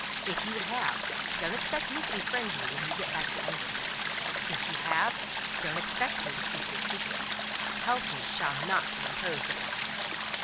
If you have, don't expect me to befriend you when you get back to England. If you have, don't expect me to keep your secret. Tellson's shall not be imposed upon."